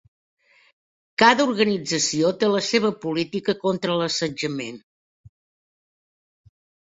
Cada organització té la seva política contra l'assetjament.